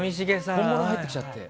本物が入ってきちゃって。